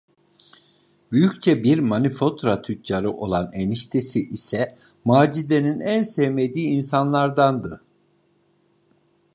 Büyükçe bir manifatura tüccarı olan eniştesi ise Macide’nin en sevmediği insanlardandı.